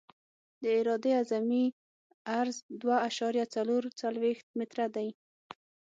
د عرادې اعظمي عرض دوه اعشاریه څلور څلویښت متره دی